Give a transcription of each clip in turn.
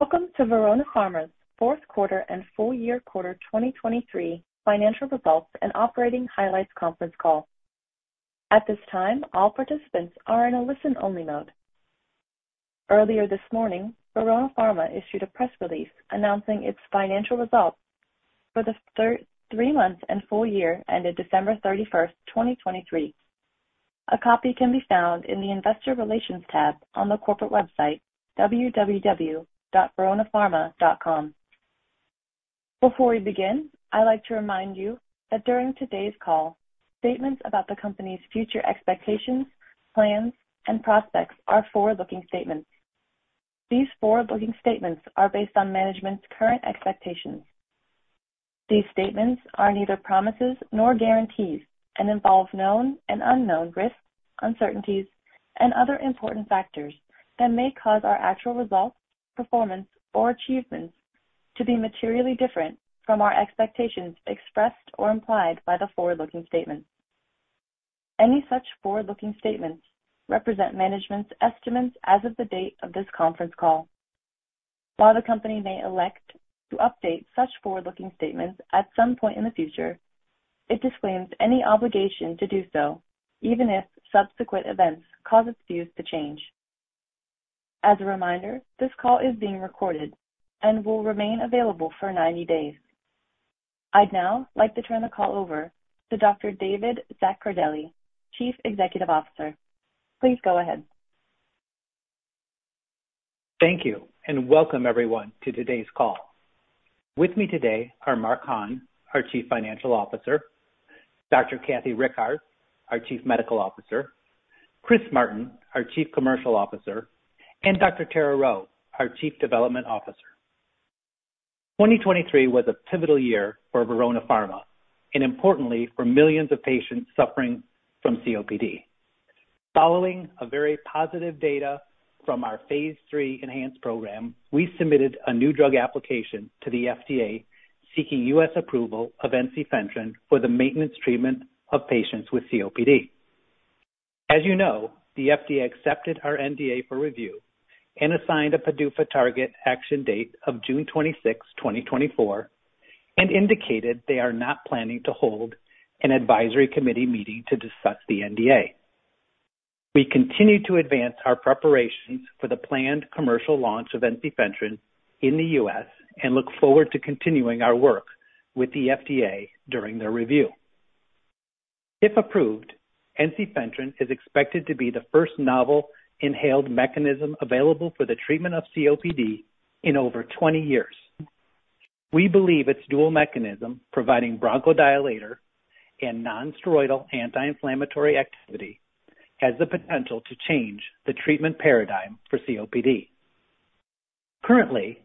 Welcome to Verona Pharma's fourth quarter and full year 2023 financial results and operating highlights conference call. At this time, all participants are in a listen-only mode. Earlier this morning, Verona Pharma issued a press release announcing its financial results for the three months and full year ended December 31, 2023. A copy can be found in the Investor Relations tab on the corporate website, www.veronapharma.com. Before we begin, I'd like to remind you that during today's call, statements about the company's future expectations, plans and prospects are forward-looking statements. These forward-looking statements are based on management's current expectations. These statements are neither promises nor guarantees and involve known and unknown risks, uncertainties and other important factors that may cause our actual results, performance or achievements to be materially different from our expectations expressed or implied by the forward-looking statements. Any such forward-looking statements represent management's estimates as of the date of this conference call. While the company may elect to update such forward-looking statements at some point in the future, it disclaims any obligation to do so, even if subsequent events cause its views to change. As a reminder, this call is being recorded and will remain available for 90 days. I'd now like to turn the call over to Dr. David Zaccardelli, Chief Executive Officer. Please go ahead. Thank you, and welcome everyone to today's call. With me today are Mark Hahn, our Chief Financial Officer, Dr. Kathleen Rickard, our Chief Medical Officer, Chris Martin, our Chief Commercial Officer, and Dr. Tara Rheault, our Chief Development Officer. 2023 was a pivotal year for Verona Pharma and importantly, for millions of patients suffering from COPD. Following a very positive data from our phase 3 ENHANCE program, we submitted a new drug application to the FDA seeking US approval of ensifentrine for the maintenance treatment of patients with COPD. As you know, the FDA accepted our NDA for review and assigned a PDUFA target action date of June 26, 2024, and indicated they are not planning to hold an advisory committee meeting to discuss the NDA. We continue to advance our preparations for the planned commercial launch of ensifentrine in the US and look forward to continuing our work with the FDA during their review. If approved, ensifentrine is expected to be the first novel inhaled mechanism available for the treatment of COPD in over 20 years. We believe its dual mechanism, providing bronchodilator and non-steroidal anti-inflammatory activity, has the potential to change the treatment paradigm for COPD. Currently,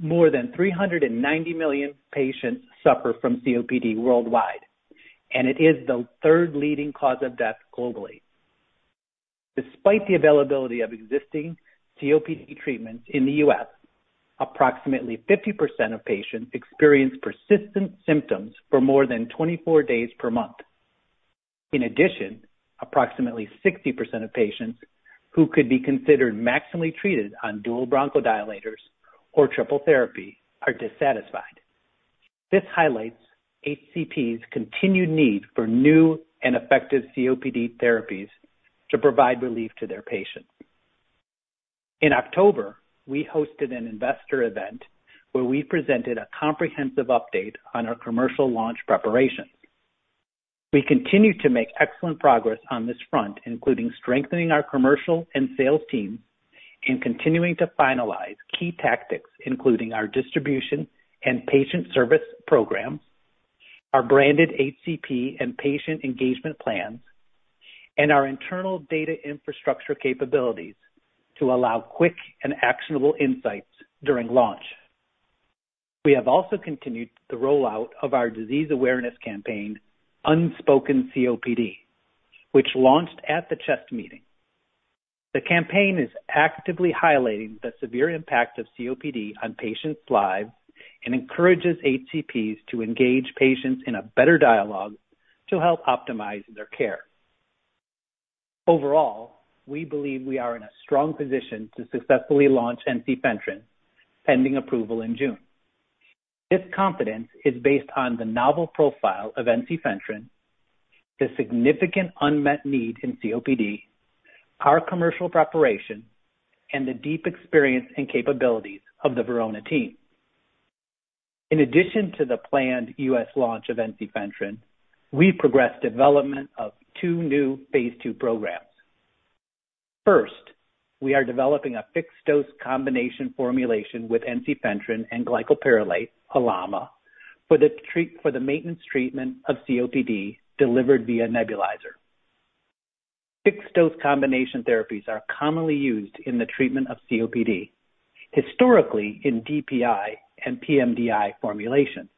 more than 390 million patients suffer from COPD worldwide, and it is the third leading cause of death globally. Despite the availability of existing COPD treatments in the US, approximately 50% of patients experience persistent symptoms for more than 24 days per month. In addition, approximately 60% of patients who could be considered maximally treated on dual bronchodilators or triple therapy are dissatisfied. This highlights HCP's continued need for new and effective COPD therapies to provide relief to their patients. In October, we hosted an investor event where we presented a comprehensive update on our commercial launch preparations. We continue to make excellent progress on this front, including strengthening our commercial and sales team and continuing to finalize key tactics, including our distribution and patient service programs, our branded HCP and patient engagement plans, and our internal data infrastructure capabilities to allow quick and actionable insights during launch. We have also continued the rollout of our disease awareness campaign, Unspoken COPD, which launched at the CHEST meeting. The campaign is actively highlighting the severe impact of COPD on patients' lives and encourages HCPs to engage patients in a better dialogue to help optimize their care. Overall, we believe we are in a strong position to successfully launch ensifentrine, pending approval in June. This confidence is based on the novel profile of ensifentrine, the significant unmet need in COPD, our commercial preparation, and the deep experience and capabilities of the Verona team. In addition to the planned U.S. launch of ensifentrine, we progressed development of two new phase 2 programs. First, we are developing a fixed-dose combination formulation with ensifentrine and glycopyrrolate, a LAMA, for the maintenance treatment of COPD delivered via nebulizer. Fixed-dose combination therapies are commonly used in the treatment of COPD, historically in DPI and pMDI formulations.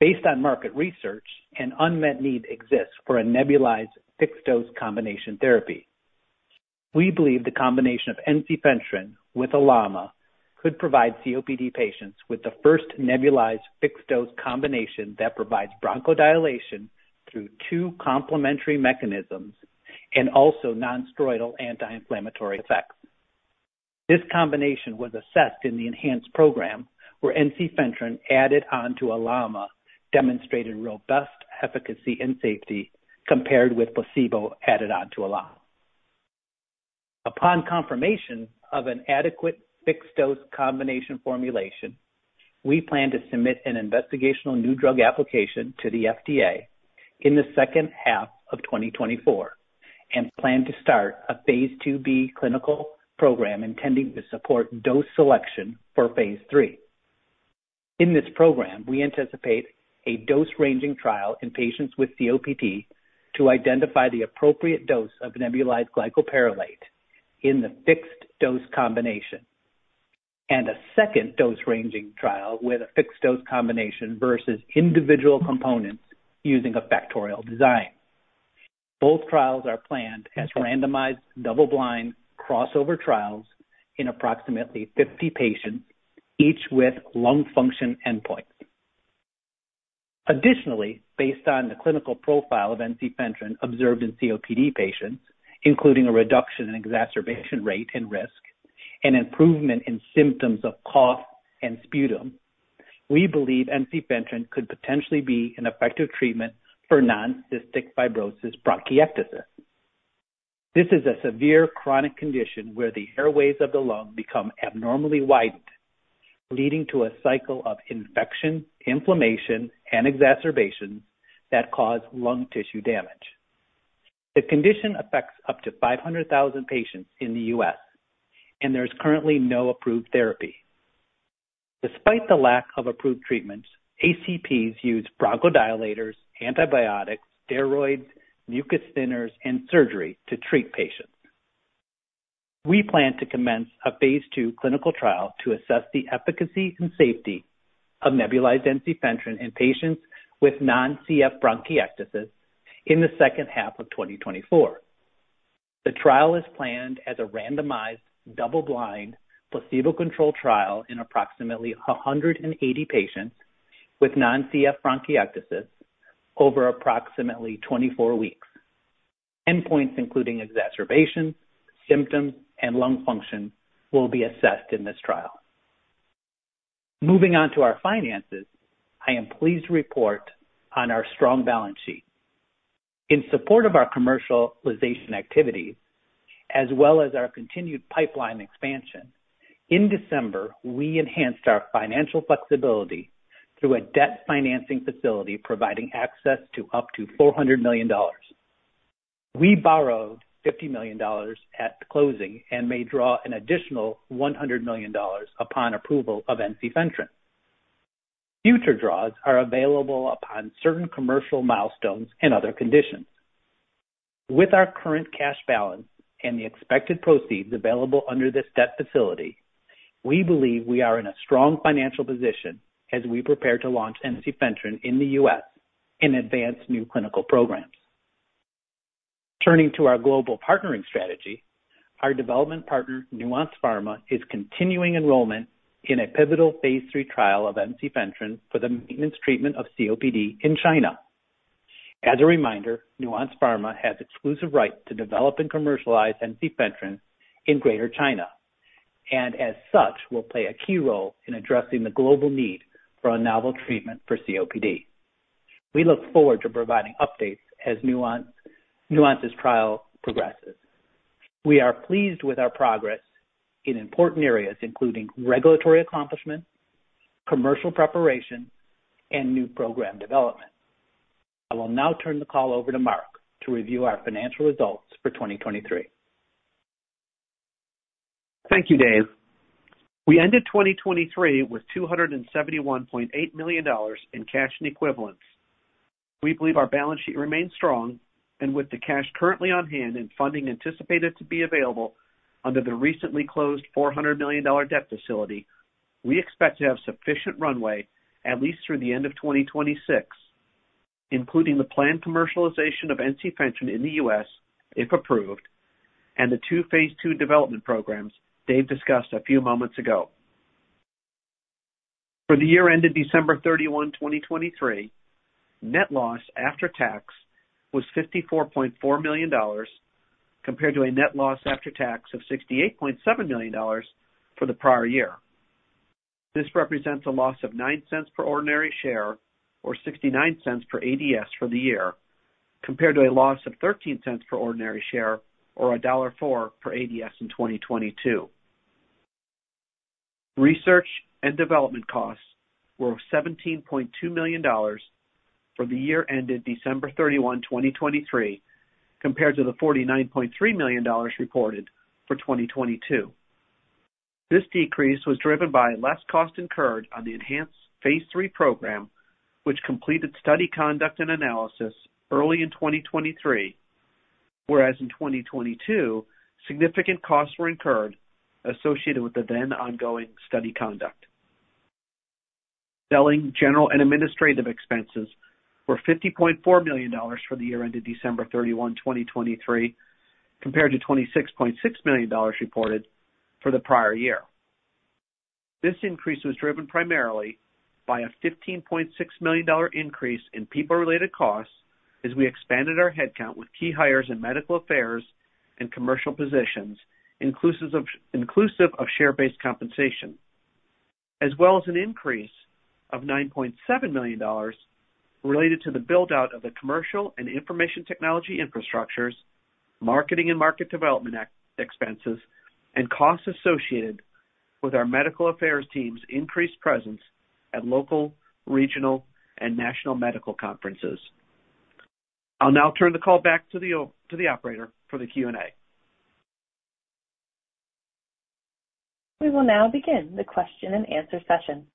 Based on market research, an unmet need exists for a nebulized fixed-dose combination therapy. We believe the combination of ensifentrine with a LAMA could provide COPD patients with the first nebulized fixed-dose combination that provides bronchodilation through two complementary mechanisms and also non-steroidal anti-inflammatory effects. This combination was assessed in the ENHANCE program, where ensifentrine added on to LAMA demonstrated robust efficacy and safety compared with placebo added on to LAMA. Upon confirmation of an adequate fixed-dose combination formulation, we plan to submit an investigational new drug application to the FDA in the second half of 2024, and plan to start a phase IIB clinical program intending to support dose selection for phase III. In this program, we anticipate a dose-ranging trial in patients with COPD to identify the appropriate dose of nebulized glycopyrrolate in the fixed-dose combination, and a second dose-ranging trial with a fixed-dose combination versus individual components using a factorial design. Both trials are planned as randomized, double-blind, crossover trials in approximately 50 patients, each with lung function endpoints. Additionally, based on the clinical profile of ensifentrine observed in COPD patients, including a reduction in exacerbation rate and risk, and improvement in symptoms of cough and sputum, we believe ensifentrine could potentially be an effective treatment for non-cystic fibrosis bronchiectasis. This is a severe chronic condition where the airways of the lung become abnormally widened, leading to a cycle of infection, inflammation, and exacerbation that cause lung tissue damage. The condition affects up to 500,000 patients in the U.S., and there is currently no approved therapy. Despite the lack of approved treatments, HCPs use bronchodilators, antibiotics, steroids, mucus thinners, and surgery to treat patients. We plan to commence a phase II clinical trial to assess the efficacy and safety of nebulized ensifentrine in patients with non-CF bronchiectasis in the second half of 2024. The trial is planned as a randomized, double-blind, placebo-controlled trial in approximately 180 patients with non-CF bronchiectasis over approximately 24 weeks. Endpoints, including exacerbation, symptoms, and lung function, will be assessed in this trial. Moving on to our finances, I am pleased to report on our strong balance sheet. In support of our commercialization activities, as well as our continued pipeline expansion, in December, we enhanced our financial flexibility through a debt financing facility, providing access to up to $400 million. We borrowed $50 million at the closing and may draw an additional $100 million upon approval of ensifentrine. Future draws are available upon certain commercial milestones and other conditions. With our current cash balance and the expected proceeds available under this debt facility, we believe we are in a strong financial position as we prepare to launch ensifentrine in the U.S. in advanced new clinical programs. Turning to our global partnering strategy, our development partner, Nuance Pharma, is continuing enrollment in a pivotal Phase 3 trial of ensifentrine for the maintenance treatment of COPD in China. As a reminder, Nuance Pharma has exclusive right to develop and commercialize ensifentrine in Greater China, and as such, will play a key role in addressing the global need for a novel treatment for COPD. We look forward to providing updates as Nuance's trial progresses. We are pleased with our progress in important areas, including regulatory accomplishment, commercial preparation, and new program development. I will now turn the call over to Mark to review our financial results for 2023. Thank you, Dave. We ended 2023 with $271.8 million in cash and equivalents. We believe our balance sheet remains strong, and with the cash currently on hand and funding anticipated to be available under the recently closed $400 million debt facility, we expect to have sufficient runway at least through the end of 2026, including the planned commercialization of ensifentrine in the U.S., if approved, and the two phase 2 development programs Dave discussed a few moments ago. For the year ended December 31, 2023, net loss after tax was $54.4 million, compared to a net loss after tax of $68.7 million for the prior year. This represents a loss of $0.09 per ordinary share or $0.69 per ADS for the year, compared to a loss of $0.13 per ordinary share or $1.04 per ADS in 2022. Research and development costs were $17.2 million for the year ended December 31, 2023, compared to the $49.3 million reported for 2022. This decrease was driven by less cost incurred on the ENHANCE phase III program, which completed study conduct and analysis early in 2023, whereas in 2022, significant costs were incurred associated with the then ongoing study conduct. Selling general and administrative expenses were $50.4 million for the year ended December 31, 2023, compared to $26.6 million reported for the prior year. ...This increase was driven primarily by a $15.6 million increase in people-related costs as we expanded our headcount with key hires in medical affairs and commercial positions, inclusive of share-based compensation, as well as an increase of $9.7 million related to the build-out of the commercial and information technology infrastructures, marketing and market development expenses, and costs associated with our medical affairs team's increased presence at local, regional, and national medical conferences. I'll now turn the call back to the operator for the Q&A. We will now begin the question-and-answer session.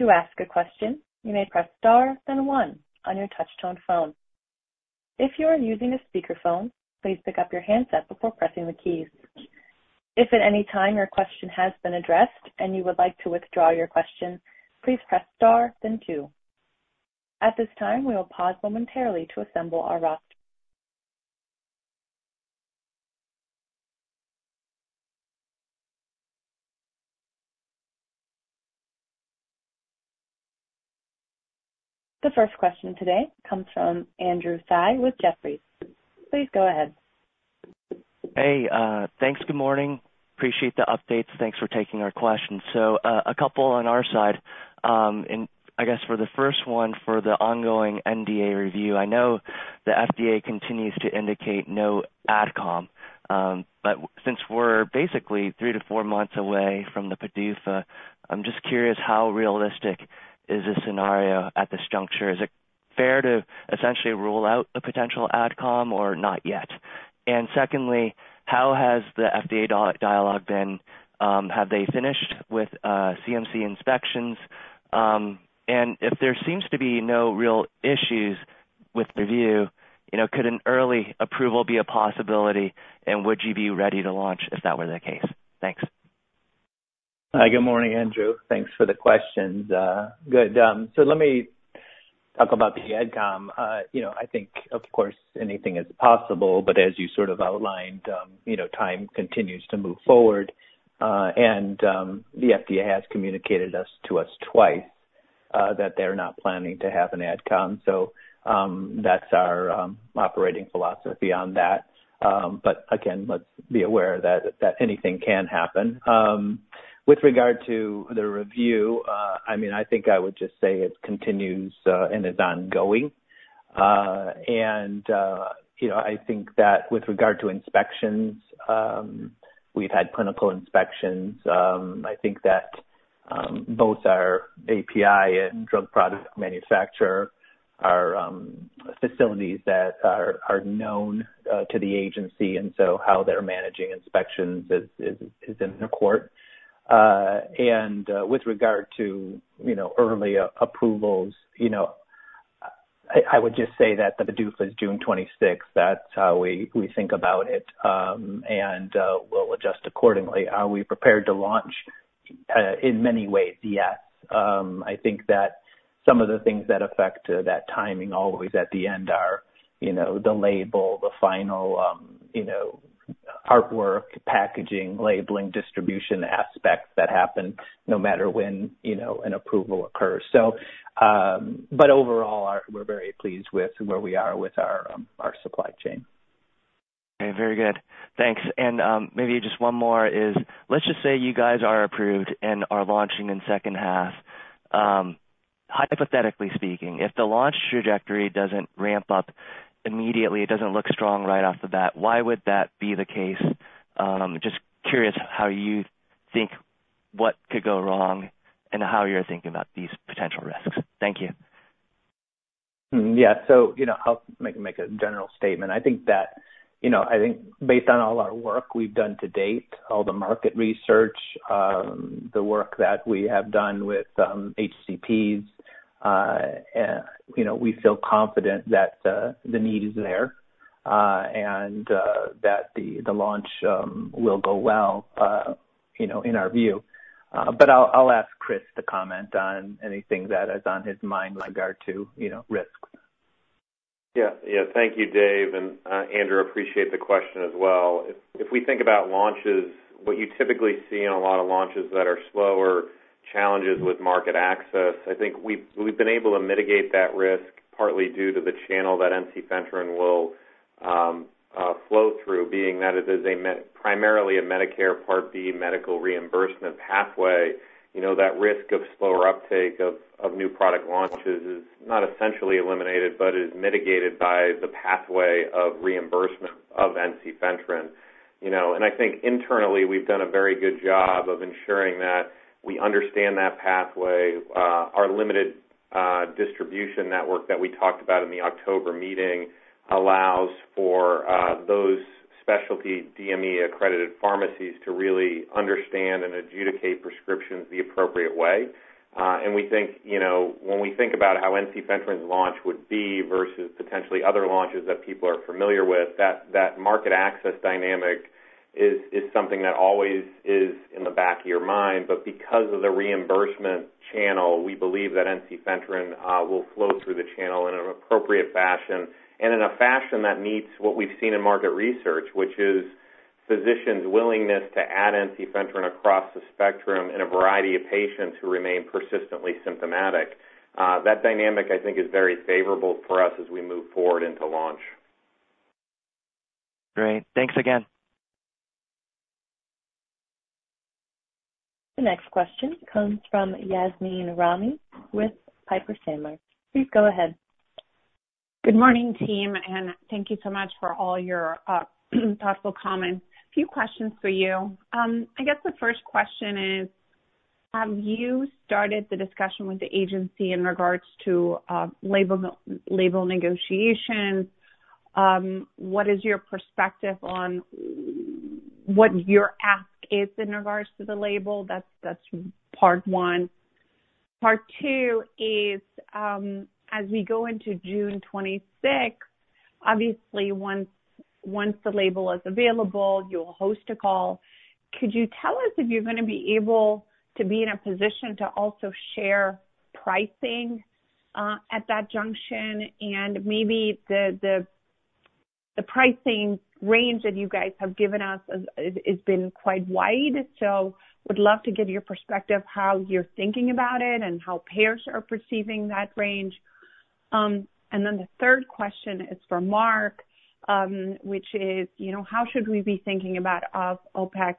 To ask a question, you may press star then one on your touchtone phone. If you are using a speakerphone, please pick up your handset before pressing the keys. If at any time your question has been addressed and you would like to withdraw your question, please press star then two. At this time, we will pause momentarily to assemble our roster. The first question today comes from Andrew Tsai with Jefferies. Please go ahead. Hey, thanks. Good morning. Appreciate the updates. Thanks for taking our questions. So, a couple on our side. And I guess for the first one, for the ongoing NDA review, I know the FDA continues to indicate no Ad Comm, but since we're basically 3-4 months away from the PDUFA, I'm just curious, how realistic is this scenario at this juncture? Is it fair to essentially rule out a potential Ad Comm or not yet? And secondly, how has the FDA dialogue been? Have they finished with CMC inspections? And if there seems to be no real issues with review, you know, could an early approval be a possibility, and would you be ready to launch if that were the case? Thanks. Hi, good morning, Andrew. Thanks for the questions. So let me talk about the Ad Comm. You know, I think, of course, anything is possible, but as you sort of outlined, you know, time continues to move forward, and the FDA has communicated to us twice that they're not planning to have an Ad Comm. So, that's our operating philosophy on that. But again, let's be aware that anything can happen. With regard to the review, I mean, I think I would just say it continues and is ongoing. You know, I think that with regard to inspections, we've had clinical inspections. I think that both our API and drug product manufacturer are facilities that are known to the agency, and so how they're managing inspections is in their court. And with regard to, you know, early approvals, you know, I would just say that the PDUFA is June 26th. That's how we think about it, and we'll adjust accordingly. Are we prepared to launch? In many ways, yes. I think that some of the things that affect that timing always at the end are, you know, the label, the final, you know, artwork, packaging, labeling, distribution aspects that happen no matter when, you know, an approval occurs. So, but overall, we're very pleased with where we are with our supply chain. Okay, very good. Thanks. Maybe just one more is, let's just say you guys are approved and are launching in second half. Hypothetically speaking, if the launch trajectory doesn't ramp up immediately, it doesn't look strong right off the bat, why would that be the case? Just curious how you think, what could go wrong, and how you're thinking about these potential risks. Thank you. Hmm. Yeah. So, you know, I'll make a general statement. I think that, you know, I think based on all our work we've done to date, all the market research, the work that we have done with HCPs, you know, we feel confident that the need is there, and that the launch will go well, you know, in our view. But I'll ask Chris to comment on anything that is on his mind in regard to, you know, risk. Yeah. Yeah. Thank you, Dave, and, Andrew, appreciate the question as well. If we think about launches, what you typically see in a lot of launches that are slower, challenges with market access, I think we've been able to mitigate that risk partly due to the channel that ensifentrine will flow through, being that it is primarily a Medicare Part B medical reimbursement pathway. You know, that risk of slower uptake of new product launches is not essentially eliminated, but is mitigated by the pathway of reimbursement of ensifentrine. You know, and I think internally, we've done a very good job of ensuring that we understand that pathway. Our limited distribution network that we talked about in the October meeting allows for those specialty DME-accredited pharmacies to really understand and adjudicate prescriptions the appropriate way. And we think, you know, when we think about how ensifentrine's launch would be versus potentially other launches that people are familiar with, that market access dynamic is something that always is in the back of your mind. But because of the reimbursement channel, we believe that ensifentrine will flow through the channel in an appropriate fashion and in a fashion that meets what we've seen in market research, which is physicians' willingness to add ensifentrine across the spectrum in a variety of patients who remain persistently symptomatic. That dynamic, I think, is very favorable for us as we move forward into launch. Great. Thanks again. The next question comes from Yasmeen Rahimi with Piper Sandler. Please go ahead. Good morning, team, and thank you so much for all your thoughtful comments. A few questions for you. I guess the first question is: Have you started the discussion with the agency in regards to label negotiation? What is your perspective on what your ask is in regards to the label? That's part one. Part two is, as we go into June twenty-sixth, obviously, once the label is available, you'll host a call. Could you tell us if you're gonna be able to be in a position to also share pricing at that juncture? And maybe the pricing range that you guys have given us has been quite wide, so would love to get your perspective how you're thinking about it and how payers are perceiving that range. And then the third question is for Mark, which is, you know, how should we be thinking about OpEx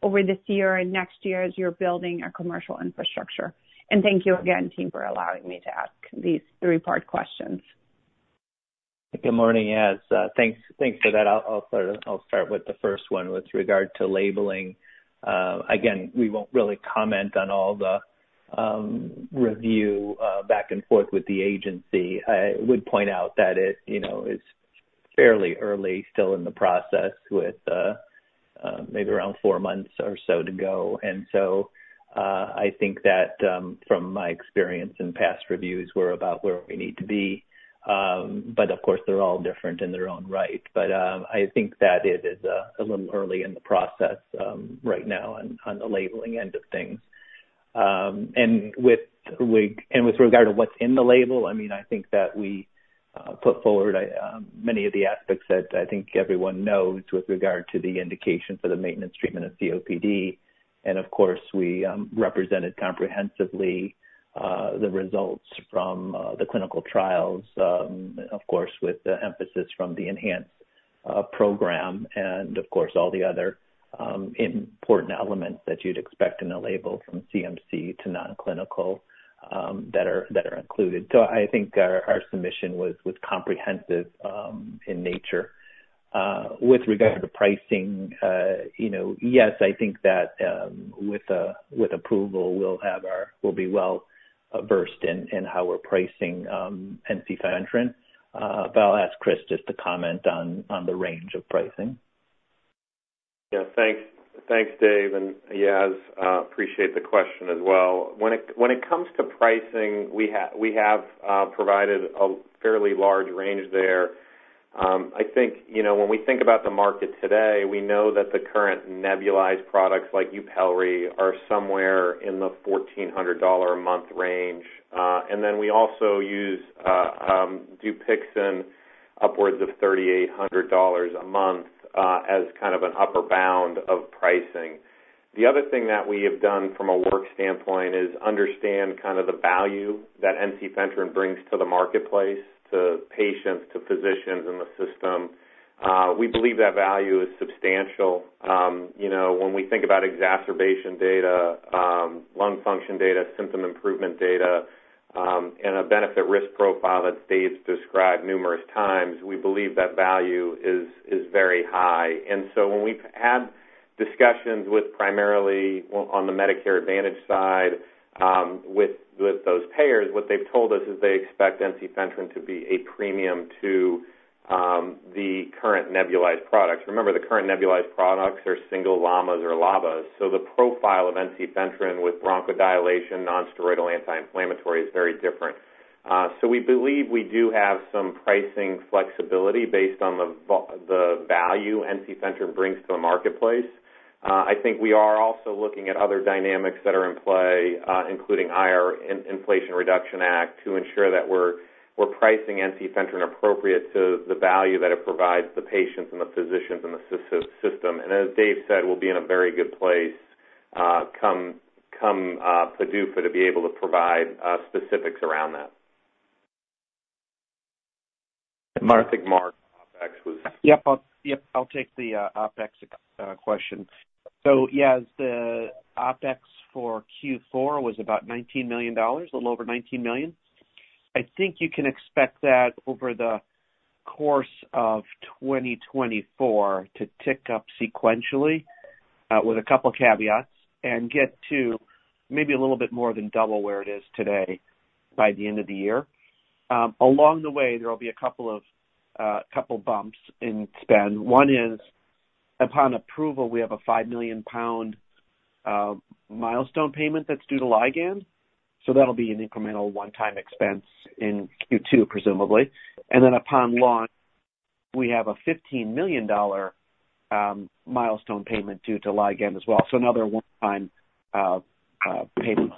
over this year and next year as you're building a commercial infrastructure? And thank you again, team, for allowing me to ask these three-part questions. Good morning, Yas. Thanks for that. I'll start with the first one with regard to labeling. Again, we won't really comment on all the review back and forth with the agency. I would point out that it, you know, is fairly early still in the process with maybe around 4 months or so to go. And so, I think that from my experience in past reviews, we're about where we need to be. But of course, they're all different in their own right. But I think that it is a little early in the process right now on the labeling end of things. And with regard to what's in the label, I mean, I think that we put forward many of the aspects that I think everyone knows with regard to the indication for the maintenance treatment of COPD. And, of course, we represented comprehensively the results from the clinical trials, of course, with the emphasis from the ENHANCE program and, of course, all the other important elements that you'd expect in a label from CMC to non-clinical that are included. So I think our submission was comprehensive in nature. With regard to pricing, you know, yes, I think that with approval, we'll be well versed in how we're pricing ensifentrine. But I'll ask Chris just to comment on the range of pricing. Yeah, thanks. Thanks, Dave, and, Yas, appreciate the question as well. When it comes to pricing, we have provided a fairly large range there. I think, you know, when we think about the market today, we know that the current nebulized products, like Yupelri, are somewhere in the $1,400 a month range. And then we also use Dupixent, upwards of $3,800 a month, as kind of an upper bound of pricing. The other thing that we have done from a work standpoint is understand kind of the value that ensifentrine brings to the marketplace, to patients, to physicians in the system. We believe that value is substantial. You know, when we think about exacerbation data, lung function data, symptom improvement data, and a benefit risk profile that Dave's described numerous times, we believe that value is very high. So when we've had discussions with primarily on the Medicare Advantage side, with those payers, what they've told us is they expect ensifentrine to be a premium to the current nebulized products. Remember, the current nebulized products are single LAMAs or LABAs, so the profile of ensifentrine with bronchodilation, non-steroidal anti-inflammatory, is very different. So we believe we do have some pricing flexibility based on the value ensifentrine brings to the marketplace. I think we are also looking at other dynamics that are in play, including IRA, Inflation Reduction Act, to ensure that we're pricing ensifentrine appropriate to the value that it provides the patients and the physicians and the system. And as Dave said, we'll be in a very good place, come PDUFA to be able to provide specifics around that. Mark- I think Mark, OpEx was- Yep, I'll take the OpEx question. So, yes, the OpEx for Q4 was about $19 million, a little over $19 million. I think you can expect that over the course of 2024 to tick up sequentially, with a couple caveats, and get to maybe a little bit more than double where it is today by the end of the year. Along the way, there will be a couple of bumps in spend. One is, upon approval, we have a 5 million pound milestone payment that's due to Ligand, so that'll be an incremental one-time expense in Q2, presumably. And then upon launch, we have a $15 million milestone payment due to Ligand as well, so another one-time payment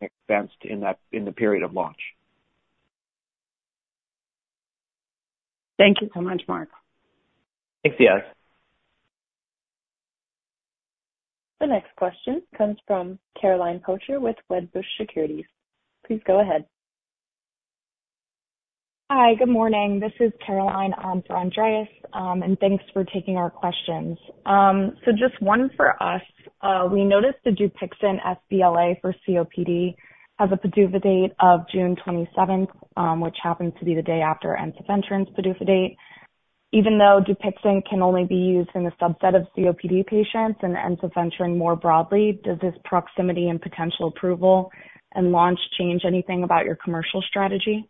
expense in that, in the period of launch. Thank you so much, Mark. Thanks, Yas The next question comes from Caroline Pocher with Wedbush Securities. Please go ahead. Hi, good morning. This is Caroline for Andreas, and thanks for taking our questions. So just one for us. We noticed the Dupixent sBLA for COPD has a PDUFA date of June 27th, which happens to be the day after ensifentrine's PDUFA date. Even though Dupixent can only be used in a subset of COPD patients and ensifentrine more broadly, does this proximity and potential approval and launch change anything about your commercial strategy?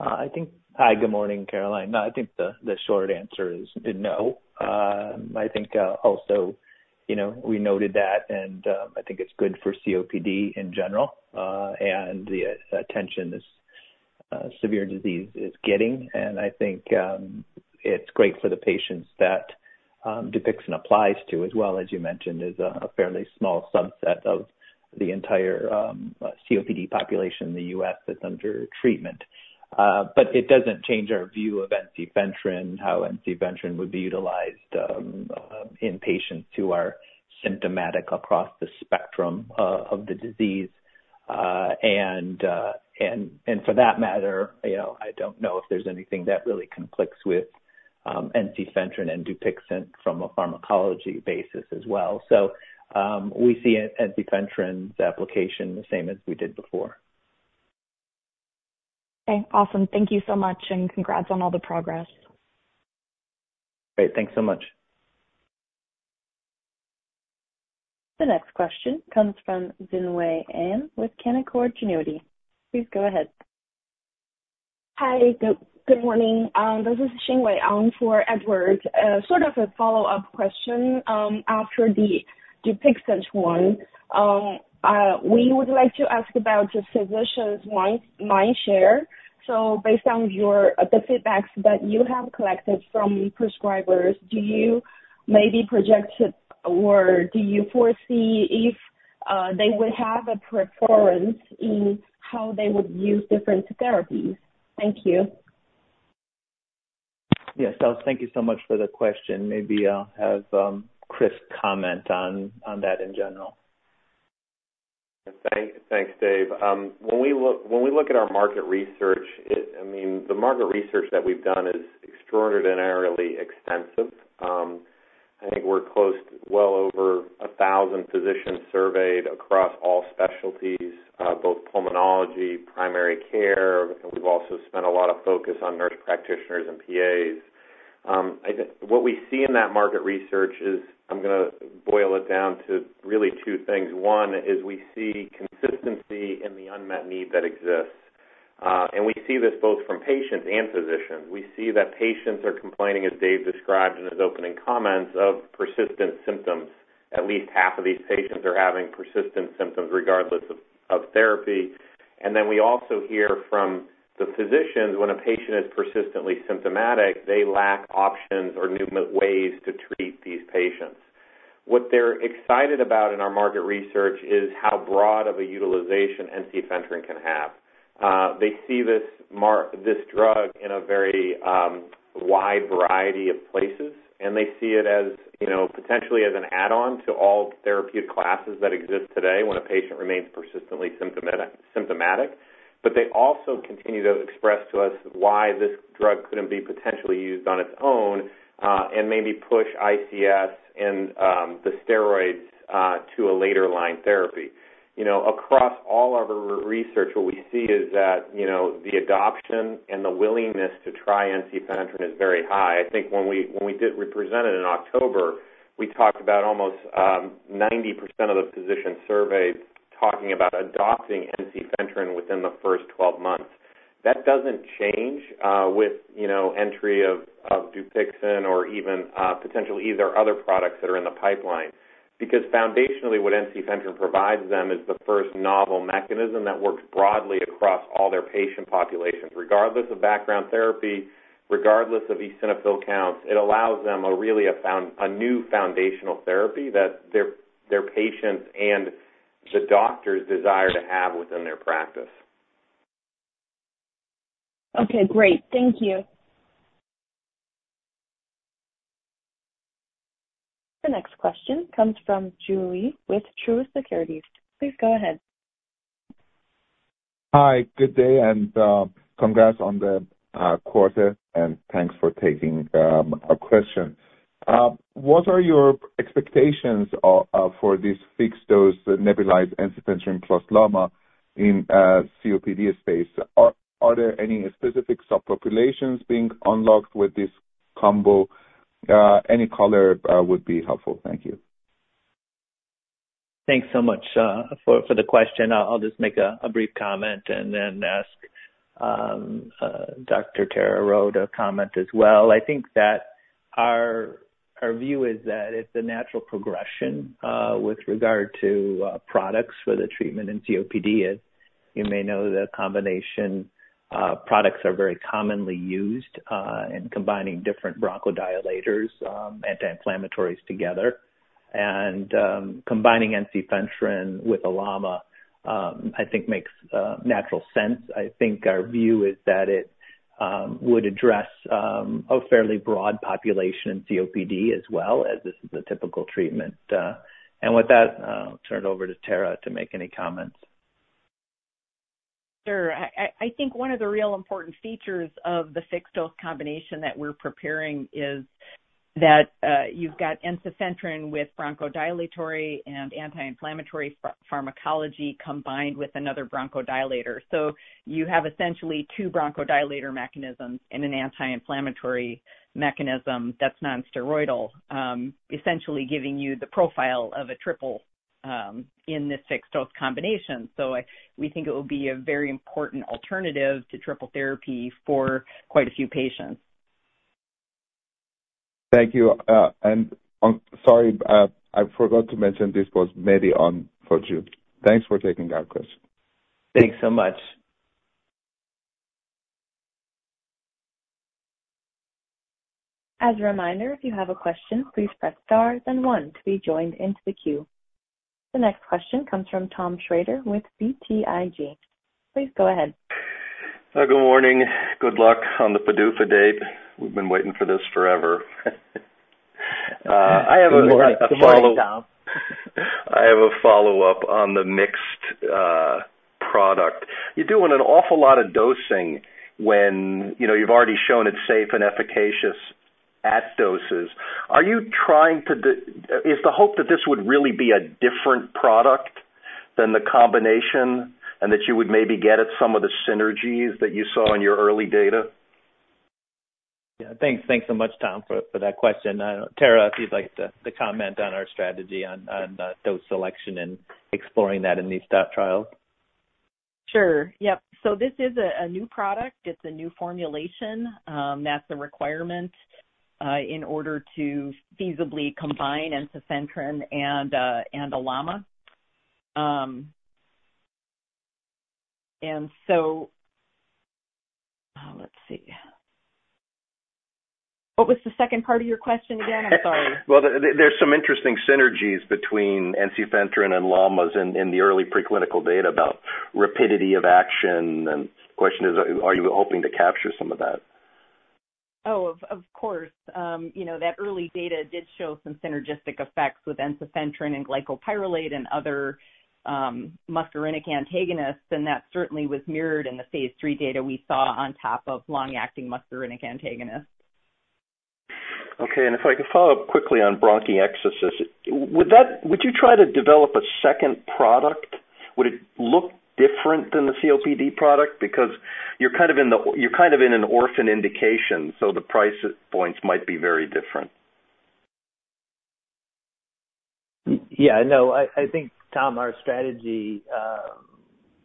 I think... Hi, good morning, Caroline. No, I think the short answer is no. I think also, you know, we noted that, and I think it's good for COPD in general, and the attention this severe disease is getting. And I think it's great for the patients that Dupixent applies to as well. As you mentioned, is a fairly small subset of the entire COPD population in the U.S. that's under treatment. But it doesn't change our view of ensifentrine, how ensifentrine would be utilized in patients who are symptomatic across the spectrum of the disease. And for that matter, you know, I don't know if there's anything that really conflicts with ensifentrine and Dupixent from a pharmacology basis as well. We see ensifentrine's application the same as we did before. Okay, awesome. Thank you so much, and congrats on all the progress. Great. Thanks so much. The next question comes from Xinwei An with Canaccord Genuity. Please go ahead. Hi, good morning. This is Xinwei An for Edward. Sort of a follow-up question after the Dupixent one. We would like to ask about the physicians' mindshare. So based on the feedbacks that you have collected from prescribers, do you maybe project or do you foresee if they would have a preference in how they would use different therapies? Thank you. Yes. So thank you so much for the question. Maybe I'll have Chris comment on that in general. Thanks, Dave. When we look at our market research, it—I mean, the market research that we've done is extraordinarily extensive. I think we're close to well over 1,000 physicians surveyed across all specialties, both pulmonology, primary care, and we've also spent a lot of focus on nurse practitioners and PAs. I think what we see in that market research is, I'm gonna boil it down to really two things. One, is we see consistency in the unmet need that exists, and we see this both from patients and physicians. We see that patients are complaining, as Dave described in his opening comments, of persistent symptoms. At least half of these patients are having persistent symptoms regardless of therapy. And then we also hear from the physicians when a patient is persistently symptomatic, they lack options or new ways to treat these patients. What they're excited about in our market research is how broad of a utilization ensifentrine can have. They see this this drug in a very wide variety of places, and they see it as, you know, potentially as an add-on to all therapeutic classes that exist today when a patient remains persistently symptomatic. But they also continue to express to us why this drug couldn't be potentially used on its own, and maybe push ICS and the steroids to a later line therapy. You know, across all our research, what we see is that, you know, the adoption and the willingness to try ensifentrine is very high. I think when we, when we did represent it in October, we talked about almost 90% of the physicians surveyed talking about adopting ensifentrine within the first 12 months. That doesn't change with, you know, entry of Dupixent or even potentially either other products that are in the pipeline. Because foundationally, what ensifentrine provides them is the first novel mechanism that works broadly across all their patient populations, regardless of background therapy, regardless of eosinophil counts. It allows them a new foundational therapy that their patients and the doctors desire to have within their practice. Okay, great. Thank you. The next question comes from Joon Lee with Truist Securities. Please go ahead. Hi, good day, and congrats on the quarter, and thanks for taking our question. What are your expectations for this fixed-dose nebulized ensifentrine plus LAMA in COPD space? Are there any specific subpopulations being unlocked with this combo? Any color would be helpful. Thank you. Thanks so much for the question. I'll just make a brief comment and then ask Dr. Tara Rheault to comment as well. I think that our view is that it's a natural progression with regard to products for the treatment in COPD. As you may know, the combination products are very commonly used in combining different bronchodilators, anti-inflammatories together, and combining ensifentrine with a LAMA, I think makes natural sense. I think our view is that it would address a fairly broad population in COPD as well, as this is a typical treatment. And with that, I'll turn it over to Tara to make any comments. Sure. I think one of the real important features of the fixed-dose combination that we're preparing is that you've got ensifentrine with bronchodilatory and anti-inflammatory pharmacology combined with another bronchodilator. So you have essentially two bronchodilator mechanisms and an anti-inflammatory mechanism that's non-steroidal. Essentially giving you the profile of a triple in this fixed-dose combination. So we think it will be a very important alternative to triple therapy for quite a few patients. Thank you. Sorry, I forgot to mention this was me, Ian, for Joon. Thanks for taking our question. Thanks so much. As a reminder, if you have a question, please press star then one to be joined into the queue. The next question comes from Tom Shrader with BTIG. Please go ahead. Good morning. Good luck on the PDUFA date. We've been waiting for this forever. I have a follow- Good morning, Tom. I have a follow-up on the mixed product. You're doing an awful lot of dosing when, you know, you've already shown it's safe and efficacious at doses. Are you trying to? Is the hope that this would really be a different product than the combination, and that you would maybe get at some of the synergies that you saw in your early data? Yeah. Thanks. Thanks so much, Tom, for that question. Tara, if you'd like to comment on our strategy on dose selection and exploring that in these trials. Sure. Yep. So this is a new product. It's a new formulation. That's a requirement in order to feasibly combine ensifentrine and a LAMA. And so... Let's see. What was the second part of your question again? I'm sorry. Well, there's some interesting synergies between ensifentrine and LAMAs in the early preclinical data about rapidity of action. And the question is, are you hoping to capture some of that? Oh, of course. You know, that early data did show some synergistic effects with ensifentrine and glycopyrrolate and other muscarinic antagonists, and that certainly was mirrored in the phase three data we saw on top of long-acting muscarinic antagonists. Okay. If I could follow up quickly on bronchiectasis, would you try to develop a second product? Would it look different than the COPD product? Because you're kind of in an orphan indication, so the price points might be very different. Yeah, no, I think, Tom, our strategy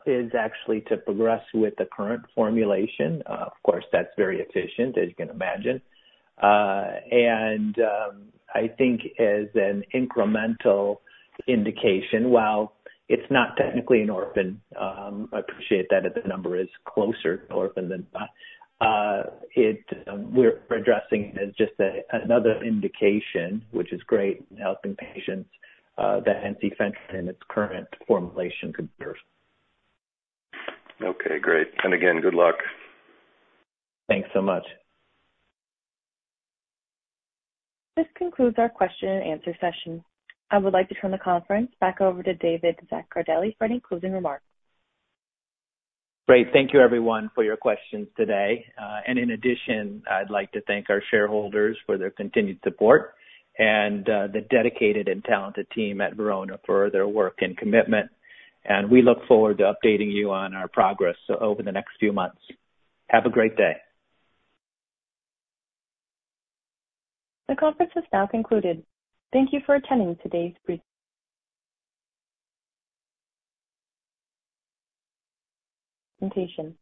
is actually to progress with the current formulation. Of course, that's very efficient, as you can imagine. And I think as an incremental indication, while it's not technically an orphan, I appreciate that the number is closer to orphan than not. We're addressing it as just another indication, which is great in helping patients that ensifentrine in its current formulation could serve. Okay, great. Again, good luck. Thanks so much. This concludes our question and answer session. I would like to turn the conference back over to David Zaccardelli for any closing remarks. Great. Thank you, everyone, for your questions today. And in addition, I'd like to thank our shareholders for their continued support and the dedicated and talented team at Verona for their work and commitment. And we look forward to updating you on our progress over the next few months. Have a great day. The conference is now concluded. Thank you for attending today's pre-presentation.